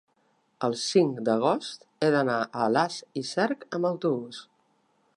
el cinc d'agost he d'anar a Alàs i Cerc amb autobús.